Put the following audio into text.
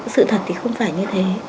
sự thật thì không phải như thế